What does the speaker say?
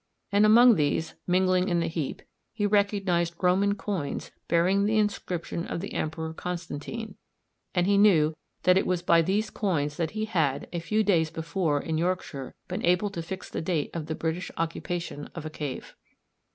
And among these, mingling in the heap, he recognised Roman coins bearing the inscription of the Emperor Constantine, and he knew that it was by these coins that he had, a few days before in Yorkshire, been able to fix the date of the British occupation of a cave.